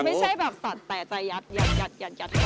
ไม่ใช่แบบสัดแต่จะยัดเขาผู้